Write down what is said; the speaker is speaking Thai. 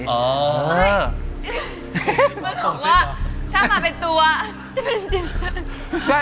มันคำว่าถ้ามาเป็นตัวจะเป็นซิมสัน